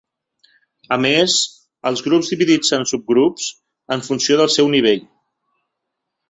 A més, els grups dividits en subgrups, en funció del seu nivell.